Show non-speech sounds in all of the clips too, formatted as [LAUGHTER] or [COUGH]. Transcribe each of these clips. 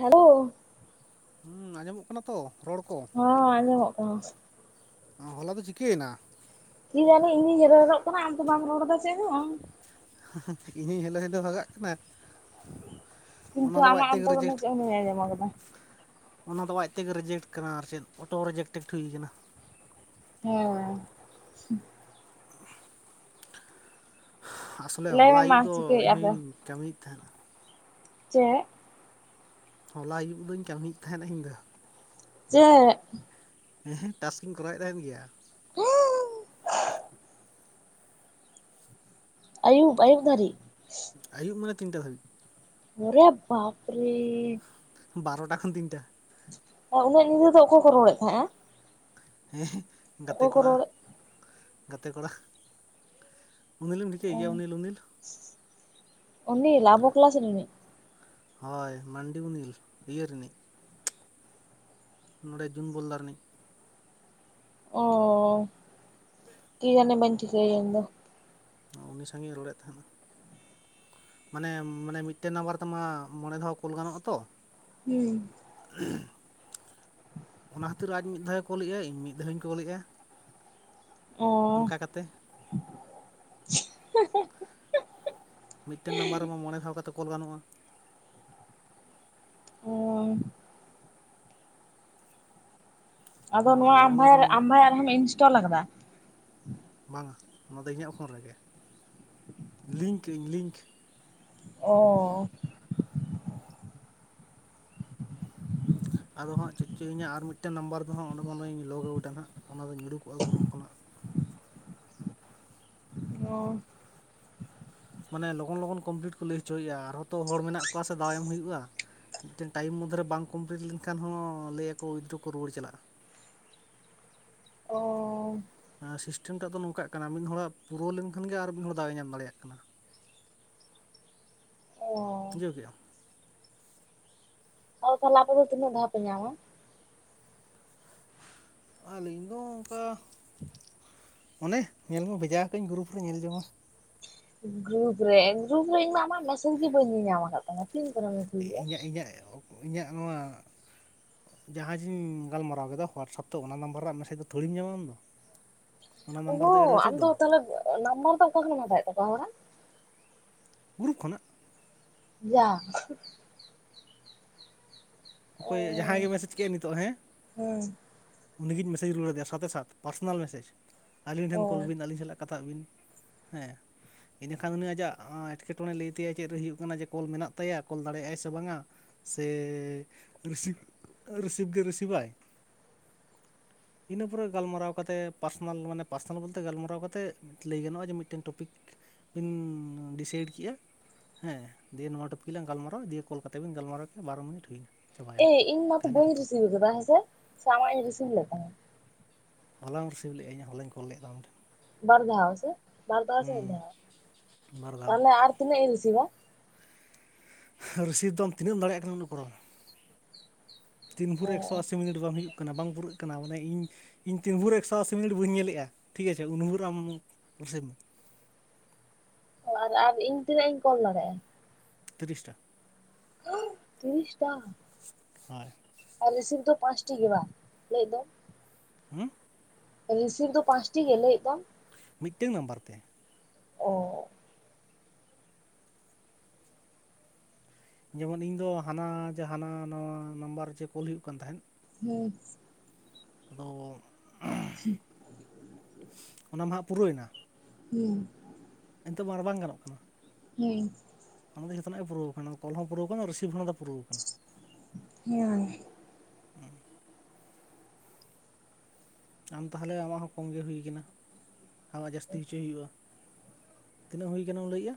Hello ᱦᱩᱸ ᱟᱸᱡᱚᱢᱚᱜ ᱠᱟᱱᱟ ᱛᱚ ᱨᱚᱲ ᱠᱚ? ᱦᱸ ᱟᱸᱡᱚᱢᱚᱜ ᱠᱟᱱᱟ᱾ ᱦᱚᱞᱟ ᱫᱚ ᱪᱤᱠᱟᱹᱭᱮᱱᱟ ᱠᱤ ᱡᱟᱱᱤ ᱤᱧ ᱜᱤᱧ ᱦᱮᱞᱳ ᱦᱮᱞᱳᱜ ᱠᱟᱱᱟ ᱟᱢ ᱛᱚ ᱵᱟᱢ ᱨᱚᱲ ᱮᱫᱟ ᱪᱮᱫ ᱦᱚᱸ ᱤᱧ ᱦᱩᱧ ᱦᱮᱞᱳ ᱦᱮᱞᱳ ᱵᱷᱟᱜᱟᱜ ᱠᱟᱱᱟ ᱠᱤᱱᱛᱩ ᱚᱱᱟ ᱫᱚ ᱟᱡ ᱟᱢᱟᱜ ᱛᱮᱜᱮ ᱚᱱᱛᱮ ᱠᱷᱚᱱᱟᱜ ᱨᱮᱡᱮᱠᱴ ᱪᱮᱫ ᱦᱚ ᱵᱟᱹᱧ ᱟᱡᱚᱢ ᱟᱠᱟᱫᱟ ᱚᱱᱟ ᱫᱚ ᱟᱡᱛ ᱮᱜᱮ ᱨᱮᱡᱮᱠᱴ ᱠᱟᱱᱟ ᱟᱨ ᱪᱮᱫ ᱚᱴᱳ ᱨᱮᱡᱮᱠᱴᱮᱠᱴ ᱦᱩᱭ ᱟᱠᱟᱱᱟ᱾ ᱦᱮᱸ ᱟᱥᱚᱞᱮ ᱞᱟᱹᱭ ᱦᱚᱞᱟ ᱢᱮ ᱢᱟ ᱟᱹᱭᱩᱵ ᱫᱚ ᱤᱧ ᱪᱤᱠᱟᱹᱭᱮᱫᱼᱟ ᱯᱮ ᱦᱚᱧ ᱠᱟᱹᱢᱤᱭᱮᱫ ᱛᱟᱦᱮᱸᱱᱟ᱾ ᱪᱮᱜ ᱦᱚᱞᱟ ᱟᱭᱩᱵ ᱫᱚᱧ ᱠᱟᱹᱢᱤᱭᱮᱫ ᱛᱟᱦᱮᱸᱱᱟ ᱤᱧ ᱫᱚ ᱪᱮᱜ ᱦᱮᱸ ᱦᱮᱸ ᱴᱟᱥᱠ ᱤᱧ ᱠᱚᱨᱟᱣᱮᱫ ᱛᱟᱦᱮᱸᱱ ᱜᱮᱭᱟ᱾ [UNINTELLIGIBLE] ᱟᱹᱭᱩᱵ ᱟᱹᱭᱩᱵ ᱫᱷᱟᱹᱨᱤᱡ ᱟᱹᱭᱩᱵ ᱢᱟᱱᱮ ᱛᱤᱱᱴᱟ ᱫᱷᱟᱹᱵᱤᱡ ᱚᱨᱮ ᱵᱟᱯᱨᱮ ᱵᱟᱨᱚᱴᱟ ᱠᱷᱚᱱ ᱛᱤᱱᱴᱟ ᱩᱱᱟᱹᱜ ᱧᱤᱫᱟᱹ ᱫᱚ ᱚᱠᱚᱭ ᱠᱚ ᱨᱚᱲᱮᱫ ᱛᱟᱦᱮᱸᱜᱼᱟ? ᱦᱮᱸ ᱜᱟᱛᱮ ᱚᱠᱚᱭ ᱠᱚ ᱠᱚᱲᱟ ᱨᱚᱲᱮᱫ ᱜᱟᱛᱮ ᱠᱚᱲᱟ ᱩᱱᱤᱞᱮᱢ ᱴᱷᱤᱠᱟᱮᱜ ᱜᱮᱭᱟ ᱩᱱᱤᱞ ᱩᱱᱤᱞ ᱩᱱᱤᱞ ᱟᱵᱚ ᱠᱤᱞᱟᱥ ᱨᱤᱱᱤᱡ ᱦᱳᱭ ᱢᱟᱱᱰᱤ ᱩᱱᱤᱞ ᱤᱭᱟᱹ ᱨᱤᱱᱤᱡ ᱱᱚᱸᱰᱮ ᱡᱩᱱ ᱵᱚᱞᱫᱟ ᱨᱤᱱᱤᱡ ᱚ ᱠᱤ ᱡᱟᱱᱤ ᱵᱟᱹᱧ ᱴᱷᱤᱠᱟᱹᱭᱮᱭᱟ ᱤᱧ ᱫᱚ᱾ ᱩᱱᱤ ᱥᱟᱝ ᱤᱧ ᱨᱚᱲᱮᱫ ᱛᱟᱦᱮᱸᱱ ᱢᱟᱱᱮ ᱢᱟᱱᱮ ᱢᱤᱫᱴᱮᱱ ᱱᱟᱢᱵᱟᱨ ᱛᱮᱢᱟ ᱢᱚᱬᱮ ᱫᱷᱟᱣ ᱠᱳᱞ ᱜᱟᱱᱚᱜᱼᱟ ᱛᱚ ᱦᱩᱸ ᱚᱱᱟ ᱠᱷᱟᱹᱛᱤᱨ ᱟᱡ ᱢᱤᱫ ᱫᱷᱟᱣ ᱮ ᱠᱚᱞᱮᱫᱼᱟ ᱤᱧ ᱢᱤᱫ ᱫᱷᱟᱣ ᱤᱧ ᱠᱚᱞᱮᱜᱼᱟ ᱚ ᱚᱱᱠᱟ ᱠᱟᱛᱮ ᱢᱤᱫᱴᱮᱱ ᱱᱟᱢᱵᱟᱨ ᱨᱮᱢᱟ ᱢᱚᱬᱮ ᱫᱷᱟᱣ ᱠᱟᱛᱮ ᱠᱚᱞ ᱜᱟᱱᱚᱜᱼᱟ᱾ ᱚ ᱟᱫᱚ ᱦᱳᱭ ᱱᱚᱣᱟ ᱟᱢ ᱞᱚᱜᱚᱱ ᱵᱷᱟᱭ ᱞᱚᱜᱚᱱ ᱟᱢ ᱵᱷᱟᱭᱟᱜ ᱟᱨᱦᱚᱢ ᱤᱱᱥᱴᱚᱞ ᱟᱠᱟᱫᱟ? ᱵᱟᱝᱟ ᱱᱚᱰᱮ ᱤᱧᱟᱹᱜ ᱯᱷᱳᱱ ᱨᱮᱜᱮ ᱞᱤᱝᱠ ᱟᱹᱧ ᱞᱤᱝᱠ᱾ ᱚᱻ ᱟᱫᱚ ᱦᱟᱸᱜ ᱪᱮᱫ ᱪᱚ ᱤᱧᱟᱹᱜ ᱟᱨ ᱢᱤᱫᱴᱮᱱ ᱱᱟᱢᱵᱟᱨ ᱫᱚᱦᱟᱸᱜ ᱚᱸᱰᱮ ᱠᱷᱚᱱᱤᱧ ᱞᱚᱜ ᱟᱣᱩᱴᱟ ᱦᱟᱸᱜ ᱚᱱᱟᱫᱩᱧ ᱩᱰᱩᱠᱚᱜᱼᱟ ᱜᱩᱨᱩᱯ ᱠᱷᱚᱱᱟᱜ᱾ ᱚ ᱢᱟᱱᱮ ᱞᱚᱜᱚᱱ ᱞᱚᱜᱚᱱ ᱠᱚᱢᱯᱤᱞᱤᱴ ᱠᱚ ᱞᱟᱹᱭ ᱦᱚᱪᱚᱭᱮᱜᱼᱟ ᱟᱨᱦᱚᱸ ᱛᱚ ᱦᱚᱲ ᱢᱮᱱᱟᱜ ᱠᱚᱣᱟ ᱥᱮ ᱫᱟᱣ ᱮᱢ ᱦᱩᱭᱩᱜᱼᱟ᱾ ᱢᱤᱫᱴᱮᱱ ᱴᱟᱭᱤᱢ ᱢᱚᱫᱽᱫᱷᱮᱨᱮ ᱵᱟᱝ ᱠᱚᱢᱯᱤᱞᱤᱴ ᱞᱮᱱᱠᱷᱟᱱ ᱦᱚᱸ ᱞᱟᱹᱭᱟᱠᱚ ᱮᱴᱩᱠᱩ ᱨᱩᱣᱟᱹᱲ ᱪᱟᱞᱟᱜᱼᱟ᱾ ᱚ ᱥᱤᱥᱴᱮᱢ ᱴᱟᱜ ᱫᱚ ᱱᱚᱝᱠᱟᱜ ᱠᱟᱱᱟ, ᱢᱤᱫ ᱦᱚᱲᱟᱜ ᱯᱩᱨᱟᱹᱣ ᱞᱮᱱᱠᱷᱟᱱ ᱜᱮ ᱟᱨ ᱢᱤᱫ ᱦᱚᱲ ᱫᱟᱶ ᱧᱟᱢ ᱫᱟᱲᱮᱭᱟᱜ ᱾ ᱠᱟᱱᱟ ᱚ ᱵᱩᱡᱷᱟᱹᱣ ᱠᱮᱜ ᱟᱢ ᱚ ᱛᱟᱦᱚᱞᱮ ᱟᱯᱮ ᱫᱚ ᱛᱤᱱᱟᱹᱜ ᱫᱷᱟᱶ ᱯᱮ ᱧᱟᱢᱟ? ᱟᱞᱤᱧ ᱫᱚ ᱚᱱᱠᱟ ᱚᱱᱮ ᱧᱮᱞ ᱢᱮ ᱵᱷᱮᱡᱟ ᱟᱠᱟ ᱟᱹᱧ ᱜᱩᱨᱩᱯ ᱨᱮ ᱧᱮᱞ ᱡᱚᱝ ᱢᱮ ᱜᱨᱩᱯ ᱨᱮ ᱜᱨᱩᱯ ᱨᱮ ᱤᱧᱢᱟ ᱟᱢᱟᱜ ᱢᱮᱥᱮᱡᱽᱜᱤ ᱵᱟᱹᱧ ᱧᱮᱧᱟᱢ ᱠᱟᱜ ᱛᱟᱢᱟ ᱛᱤᱱ ᱠᱚᱨᱮᱢ ᱞᱮᱜᱼᱟ? ᱤᱧᱟᱹᱜ ᱤᱧᱟᱹᱜ ᱤᱧᱟᱹᱜ ᱱᱚᱣᱟ ᱡᱟᱦᱟᱸ ᱡᱤᱧ ᱜᱟᱞᱢᱟᱨᱟᱣ ᱠᱮᱫᱟ ᱦᱚᱣᱟᱴᱥᱮᱯ ᱛᱮ ᱚᱱᱟ ᱱᱟᱢᱵᱟᱨ ᱨᱮᱭᱟᱜ ᱢᱮᱥᱮᱡᱽ ᱫᱚ ᱛᱷᱚᱲᱤᱢ ᱧᱟᱢᱟ ᱟᱢ ᱫᱚ᱾ ᱚᱱᱟ ᱱᱟᱢᱵᱟᱨ ᱫᱚ ᱮᱲᱮ ᱚᱦᱚᱸ ᱵᱟᱹᱪᱩᱜ ᱟᱢᱫᱚ ᱫᱚ ᱛᱟᱦᱚᱞᱮ ᱱᱟᱢᱵᱟᱨ ᱫᱚ ᱚᱠᱟ ᱠᱷᱚᱱ ᱮᱢ ᱦᱟᱛᱟᱣ ᱮᱫ ᱛᱟᱠᱚᱶᱟ ᱦᱚᱲᱟᱜ? ᱜᱨᱩᱯ ᱠᱷᱚᱱᱟᱜ᱾ ᱭᱟ ᱚ ᱚᱠᱚᱭ ᱡᱟᱦᱟᱸᱭ ᱜᱮ ᱢᱮᱥᱮᱡᱽ ᱠᱮᱫ ᱱᱤᱛᱚᱜ ᱦᱮᱸ ᱦᱮᱸ ᱩᱱᱤᱜᱮ ᱢᱮᱥᱮᱡᱽ ᱨᱩᱦᱟᱹᱲ ᱫᱟᱲᱮᱭᱟ, ᱥᱟᱛᱮ ᱥᱟᱛ ᱯᱟᱨᱥᱚᱱᱟᱞ ᱢᱮᱥᱮᱡᱽ ᱟᱞᱤ ᱚ ᱴᱷᱮᱱ ᱠᱚᱞᱵᱤᱱ ᱟᱹᱞᱤᱧ ᱥᱟᱞᱟᱜ, ᱠᱟᱛᱷᱟᱜ ᱵᱤᱱ ᱦᱮᱸ᱾ ᱤᱱᱟᱹᱠᱷᱟᱱ ᱩᱱᱤ ᱟᱡᱟᱜ ᱮᱴᱠᱮᱴᱚᱬᱮ ᱞᱟᱹᱭ ᱤᱱᱟᱠᱷᱟᱱ ᱟᱡᱟᱜ ᱮᱴᱠᱮᱴᱚᱬᱮ ᱞᱟ. ᱭ ᱛᱟᱭᱟ ᱪᱮᱫ ᱨᱮ ᱦᱩᱭᱩᱜ ᱠᱟᱱᱟ ᱡᱮ ᱠᱚᱞ ᱢᱮᱱᱟᱜ ᱛᱟᱭᱟ ᱠᱚᱞ ᱫᱟᱲᱮᱜᱼᱟᱭ ᱥᱮ ᱵᱟᱝᱟ᱾ ᱥᱮ ᱨᱤᱥᱤᱵᱷ ᱨᱤᱥᱤᱵᱷ ᱜᱮ ᱨᱤᱥᱤᱵᱷᱟᱭ᱾ [INAUDIBLE] ᱤᱱᱟᱹ ᱯᱚᱨᱮ ᱜᱟᱞᱢᱟᱨᱟᱣ ᱠᱟᱛᱮᱫ ᱯᱟᱨᱥᱚᱱᱟᱞ ᱢᱟᱱᱮ ᱯᱟᱨᱥᱚᱱᱟᱞ ᱵᱚᱞᱛᱮ ᱜᱟᱞᱢᱟᱨᱟᱣ ᱠᱟᱛᱮᱜ ᱞᱟᱹᱭ ᱜᱟᱱᱚᱜᱼᱟ, ᱡᱮ ᱢᱤᱫᱴᱮᱱ ᱴᱚᱯᱤᱠ ᱵᱤᱱ ᱰᱤᱥᱟᱭᱤᱰ ᱠᱮᱜᱼᱟ᱾ ᱦᱮᱸ ᱫᱤᱭᱮ ᱱᱚᱣᱟ ᱴᱚᱯᱤᱞᱟᱝ ᱜᱟᱞᱢᱟᱨᱟᱣ ᱫᱤᱭᱮ ᱠᱚᱞ ᱠᱟᱛᱮ ᱵᱮᱱ ᱜᱟᱞᱢᱟᱨᱟᱣ ᱠᱮᱫ ᱵᱟᱨᱚ ᱢᱤᱱᱤᱴ ᱦᱩᱭᱱᱟ ᱾ ᱮ ᱤᱧ ᱢᱟᱛᱚ ᱵᱟᱹᱧ ᱨᱤᱥᱤᱵᱷ ᱟᱠᱟᱫᱟ, ᱦᱮᱸᱥᱮ ᱥᱮ ᱟᱢᱟᱜ ᱤᱧ ᱨᱤᱥᱤᱵᱷ ᱞᱮᱫ ᱛᱟᱢᱟ? ᱦᱚᱞᱟᱢ ᱨᱤᱥᱤᱵᱷ ᱞᱮᱜᱼᱟ ᱤᱧ ᱦᱚᱞᱟᱧ ᱠᱚᱞ ᱞᱮᱫ ᱫᱚ ᱟᱢ ᱴᱷᱮᱱ᱾ ᱵᱟᱨ ᱫᱷᱟᱣ ᱥᱮ ᱵᱟᱨ ᱫᱷᱟᱣ ᱥᱮ ᱢᱤᱫ ᱦᱩᱸ ᱫᱷᱟᱣ ᱵᱟᱨ ᱫᱷᱟᱣ ᱛᱟᱦᱞᱮ ᱟᱨ ᱛᱤᱱᱟᱹᱜ ᱤᱧ ᱨᱤᱥᱤᱵᱟ? ᱨᱤᱥᱤᱵ ᱫᱚ ᱟᱢ ᱛᱤᱱᱟᱹᱜ ᱮᱢ ᱫᱟᱲᱮᱭᱟᱜ ᱠᱟᱱᱟ ᱩᱱᱟᱹᱜ ᱠᱚᱨᱟᱣ ᱢᱮ? ᱛᱤᱱ ᱵᱷᱳᱨ ᱮᱠᱥᱚ ᱟᱥᱤ ᱢᱤᱱᱤᱴ ᱵᱟᱝ ᱦᱩᱭᱩᱜ, ᱠᱟᱱᱟ ᱵᱟᱝ ᱯᱩᱨᱟᱹᱜ ᱠᱟᱱᱟ ᱢᱟᱱᱮ ᱤᱧ ᱤᱧ ᱛᱤᱱ ᱵᱷᱳᱨ ᱮᱠᱥᱚ ᱟᱥᱤ ᱢᱤᱱᱤᱴ ᱵᱟᱹᱧ ᱧᱮᱞᱮᱜᱼᱟ ᱴᱷᱤᱠ ᱟᱪᱷᱮ ᱩᱱ ᱵᱷᱳᱨ ᱟᱢ ᱨᱤᱥᱤᱵ ᱢᱮ᱾ ᱚ ᱟᱨ ᱟᱨ ᱤᱧ ᱛᱤᱱᱟᱹᱜ ᱤᱧ ᱠᱚᱞ ᱫᱟᱲᱮᱜᱼᱟ? ᱛᱤᱨᱤᱥᱴᱟ ᱦᱩᱸ ᱛᱤᱨᱤᱥᱴᱟ᱾ ᱦᱳᱭ ᱟᱨ ᱨᱤᱥᱤᱯ ᱫᱚ ᱯᱟᱸᱪᱴᱤ ᱜᱮ ᱵᱟᱝ ᱞᱟᱹᱭ ᱮᱫ ᱫᱚᱭ, ᱦᱩᱸ ᱨᱤᱥᱤᱵ ᱫᱚ ᱯᱟᱸᱪᱴᱤ ᱜᱮ ᱞᱟᱹᱭ ᱮᱫ ᱫᱚᱢ? ᱢᱤᱫᱴᱮᱝ ᱱᱟᱢᱵᱟᱨ ᱛᱮ᱾ ᱚ ᱡᱮᱢᱚᱱ ᱤᱧ ᱫᱚ ᱦᱟᱱᱟ ᱡᱮ ᱦᱟᱱᱟ ᱱᱟᱣᱟ ᱱᱟᱢᱵᱟᱨ ᱡᱮ ᱠᱳᱞ ᱦᱩᱭᱩᱜ ᱠᱟᱱ ᱛᱟᱦᱮᱸᱫ᱾ ᱦᱩᱸ ᱟᱫᱚ [UNINTELLIGIBLE] ᱚᱱᱟ ᱢᱟᱦᱟᱜ ᱯᱩᱨᱟᱹᱣᱮᱱᱟ ᱾ ᱦᱮᱸ ᱱᱮᱛᱚᱜ ᱢᱟ ᱟᱨ ᱵᱟᱝ ᱜᱟᱱᱚᱜ ᱠᱟᱱᱟ ᱾ ᱦᱩᱸ ᱚᱱᱟ ᱫᱚ ᱡᱚᱛᱚᱱᱟᱜ ᱮ ᱯᱩᱨᱟᱹᱣ ᱟᱠᱟᱱᱟ ᱠᱚᱞ ᱦᱚᱸ ᱯᱩᱨᱟᱹᱣ ᱠᱟᱱᱟ, ᱨᱤᱥᱤᱵ ᱦᱚᱸ ᱟᱫᱚ ᱯᱩᱨᱟᱹᱣ ᱟᱠᱟᱱᱟ ᱦᱮᱸ ᱟᱢ ᱛᱟᱦᱞᱮ ᱟᱢᱟᱜ ᱦᱚᱸ ᱠᱚᱢ ᱜᱮ ᱦᱩᱭ ᱠᱟᱱᱟ ᱟᱢᱟᱜ ᱡᱟᱹᱥᱛᱤ ᱦᱚᱪᱚᱭ ᱦᱩᱭᱩᱜᱼᱟ᱾ ᱛᱤᱱᱟᱹᱜ ᱦᱩᱭ ᱟᱠᱟᱱᱟ ᱠᱟᱱᱟᱢ ᱜᱟᱹᱭᱮ-ᱟ,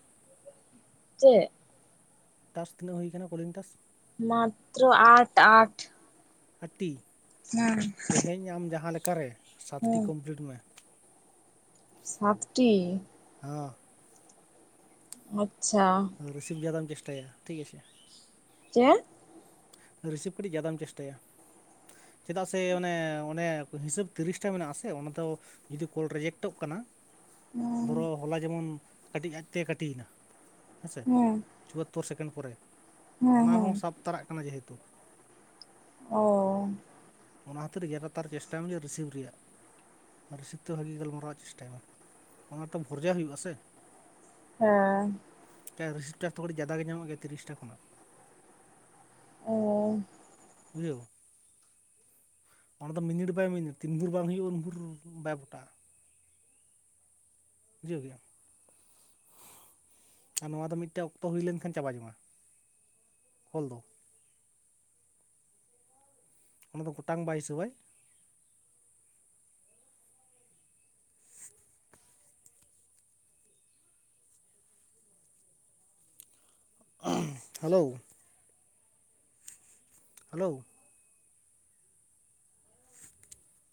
ᱪᱮᱜ? ᱴᱟᱥ ᱛᱤᱱᱟᱹᱜ ᱦᱩᱭ ᱠᱟᱱᱟ ᱠᱚᱞᱤᱝ ᱴᱟᱥ? ᱢᱟᱛᱨᱚ ᱟᱴᱷ ᱟᱴᱷ ᱟᱴᱤ ᱛᱮᱦᱮᱧ ᱟᱢ ᱡᱟᱦᱟᱸᱞᱮᱠᱟ ᱨᱮ ᱥᱟᱛᱴᱤ ᱦᱮᱸ ᱠᱚᱢᱯᱤᱞᱤᱴ ᱢᱮ ᱥᱟᱛᱴᱤ ᱦᱚᱸ ᱟᱪᱪᱷᱟ ᱨᱤᱥᱤᱵᱷ ᱡᱟᱫᱟᱢ ᱪᱮᱥᱴᱟᱭᱟ ᱴᱷᱤᱠ ᱟᱪᱷᱮ ᱪᱮᱫ ᱨᱤᱥᱤᱵᱷ ᱠᱟᱹᱴᱤᱡ ᱡᱟᱫᱟᱢ ᱪᱮᱥᱴᱟᱭᱟ ᱪᱮᱫᱟᱜ ᱥᱮ ᱚᱱᱮ ᱚᱱᱮ ᱦᱤᱥᱟᱹᱵ ᱛᱤᱨᱤᱥᱴᱟ ᱢᱮᱱᱟᱜ ᱟᱥᱮ ᱚᱱᱟ ᱫᱚ ᱡᱩᱫᱤ ᱠᱚᱞ ᱨᱮᱡᱮᱠᱴ ᱴᱚᱜ ᱠᱟᱱᱟ ᱦᱩᱸ ᱫᱷᱚᱨᱚ ᱦᱚᱞᱟ ᱡᱮᱢᱚᱱ ᱠᱟᱹᱴᱤᱡ ᱟᱡᱛᱮ ᱠᱟᱴᱤ ᱭᱮᱱᱟ ᱦᱮᱸᱥᱮ ᱦᱩᱸ ᱪᱩᱣᱟᱛᱛᱳᱨ ᱥᱮᱠᱮᱱᱰ ᱯᱚᱨᱮ ᱦᱩᱸ ᱚᱱᱟ ᱦᱩᱸ ᱦᱚᱸ ᱥᱟᱵ ᱛᱟᱨᱟᱜ ᱠᱟᱱᱟ ᱡᱮᱦᱮᱛᱩ ᱚ ᱚᱱᱟ ᱠᱷᱟᱹᱛᱤᱨ ᱡᱟᱫᱟᱛᱟᱨ ᱪᱮᱥᱴᱟᱭ ᱢᱮ ᱡᱮ ᱨᱤᱥᱤᱵᱷ ᱨᱮᱭᱟᱜ ᱟᱨ ᱨᱤᱥᱤᱯ ᱫᱚ ᱵᱷᱟᱜᱤ ᱜᱟᱞᱢᱟᱨᱟᱣ ᱪᱮᱥᱴᱟᱭ ᱢᱮ ᱚᱱᱟ ᱛᱚ ᱵᱷᱚᱨᱡᱟ ᱦᱩᱭᱩᱜᱼᱟ ᱥᱮ ᱦᱮᱸ ᱨᱤᱥᱤᱯ ᱴᱟᱜ ᱛᱚ ᱠᱟᱹᱴᱤᱡ ᱡᱟᱫᱟ ᱜᱮ ᱧᱟᱢᱚᱜ ᱜᱮᱭᱟ ᱛᱤᱨᱤᱥᱴᱟ ᱠᱷᱚᱱᱟᱜ ᱚᱸ ᱵᱩᱡᱷᱟᱹᱣ ᱚᱱᱟ ᱫᱚ ᱢᱤᱱᱤᱴ ᱵᱟᱭ ᱢᱤᱱᱤᱴ ᱛᱤᱱ ᱵᱷᱩᱨ ᱵᱟᱝ ᱦᱩᱭᱩᱜᱼᱟ ᱩᱱ ᱵᱷᱩᱨ ᱵᱟᱭ ᱯᱚᱴᱟᱜᱼᱟ ᱵᱩᱡᱷᱟᱹᱣ ᱠᱮ ᱟᱢ ᱟᱨ ᱱᱚᱣᱟ ᱫᱚ ᱢᱤᱫ ᱴᱮᱱ ᱚᱠᱛᱚ ᱦᱩᱭ ᱞᱮᱱᱠᱷᱟᱱ ᱪᱟᱵᱟ ᱡᱚᱝᱼᱟ ᱚᱞ ᱫᱚ ᱚᱱᱟ ᱫᱚ ᱜᱚᱴᱟᱝ ᱵᱟᱭ ᱦᱤᱥᱟᱹᱵᱟᱭ [UNINTELLIGIBLE] ᱦᱟᱞᱳᱣ ᱦᱟᱞᱳᱣ [UNINTELLIGIBLE]